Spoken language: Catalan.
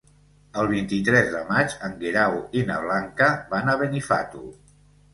El vint-i-tres de maig en Guerau i na Blanca van a Benifato.